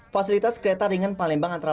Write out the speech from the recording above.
fasilitas kereta ringan palembang antara